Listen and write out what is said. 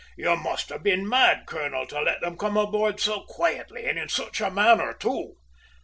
"You must have been mad, colonel, to let them come aboard so quietly and in such a manner, too!"